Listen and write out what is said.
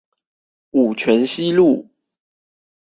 五權西路